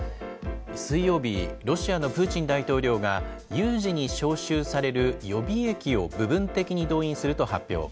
水曜日、ロシアのプーチン大統領が、有事に招集される予備役を部分的に動員すると発表。